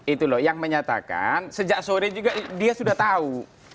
itu loh yang menyatakan sejak sore juga dia sudah tahu